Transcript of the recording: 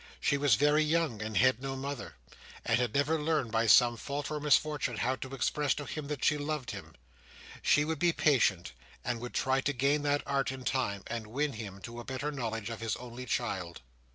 She was very young, and had no mother, and had never learned, by some fault or misfortune, how to express to him that she loved him. She would be patient, and would try to gain that art in time, and win him to a better knowledge of his only child.